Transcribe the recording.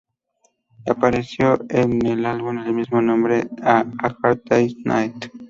Apareció en el álbum del mismo nombre, "A Hard Day's Night".